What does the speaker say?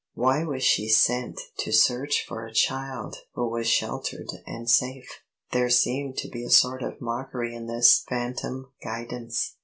Why was she sent to search for a child who was sheltered and safe? There seemed to be a sort of mockery in this phantom guidance.